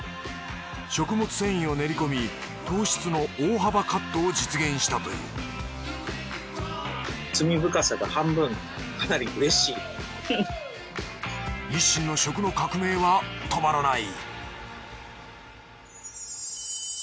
食物繊維を練りこみ糖質の大幅カットを実現したという日清の食の革命は止まらない！